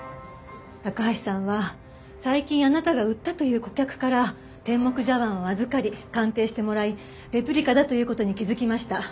高橋さんは最近あなたが売ったという顧客から天目茶碗を預かり鑑定してもらいレプリカだという事に気づきました。